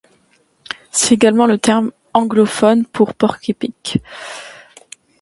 C'est également le terme anglophone pour porc-épic.